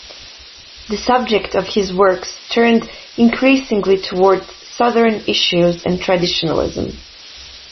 The subject of his works turned increasingly towards Southern issues and traditionalism.